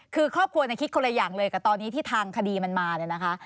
คือครอบครัวคิดคนละอย่างเลยกับตอนนี้ที่ทางคดีมันมาเนี่ยนะคะ